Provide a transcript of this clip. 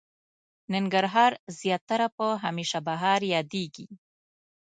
ننګرهار زياتره په هميشه بهار ياديږي.